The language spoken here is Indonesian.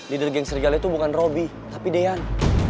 leader geng serigala itu bukan robby tapi dean